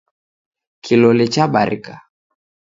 Kilole chabarika